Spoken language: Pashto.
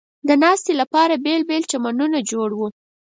د ناستې لپاره بېلابېل چمنونه جوړ و.